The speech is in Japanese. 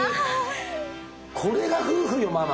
これが夫婦よママ。